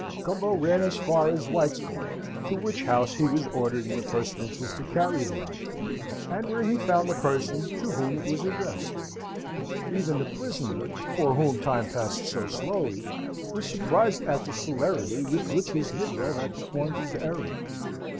Gumbo ran as far as White's Club, to which house he was ordered in the first instance to carry the letter, and where he found the person to whom it was addressed. Even the prisoner, for whom time passed so slowly, was surprised at the celerity with which his negro had performed his errand.